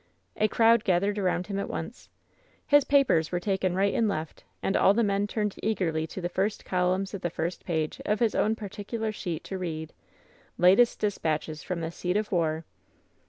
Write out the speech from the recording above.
A crowd gathered around him at once. His papers were taken right and left, and all the men turned eagerly to the first columns of the first page of his own particular sheet to read: "Latest Dispatches from the Seat of War.''